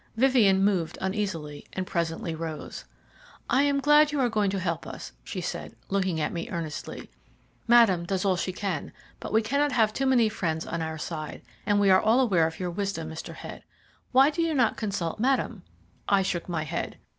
Vivien moved uneasily, and presently rose. "I am glad you are going to help us," she said, looking at me earnestly. "Madame does all she can, but we cannot have too many friends on our side, and we are all aware of your wisdom, Mr. Head. Why do you not consult Madame?" I shook my head.